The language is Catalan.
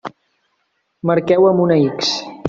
Marqueu amb una X.